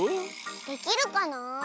できるかな？